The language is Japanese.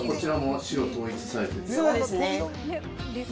あら、そうですね。